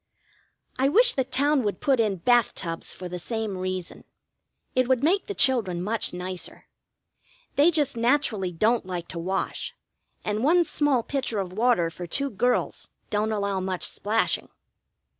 I wish the town would put in bath tubs for the same reason. It would make the children much nicer. They just naturally don't like to wash, and one small pitcher of water for two girls don't allow much splashing.